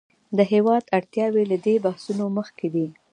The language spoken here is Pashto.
د هېواد اړتیاوې له دې بحثونو مخکې دي.